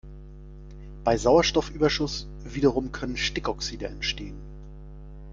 Bei Sauerstoffüberschuss wiederum können Stickoxide entstehen.